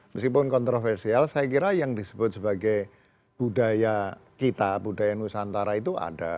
meskipun kontroversial saya kira yang disebut sebagai budaya kita budaya nusantara itu ada